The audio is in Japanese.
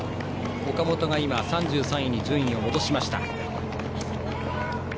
岡本が３３位に順位を戻しました。